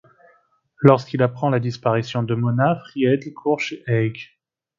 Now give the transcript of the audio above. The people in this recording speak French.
Lorsqu'il apprend la disparition de Mona, Friedl court chez Hage.